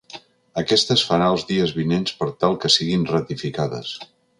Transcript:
Aquesta es farà els dies vinents per tal que siguin ratificades.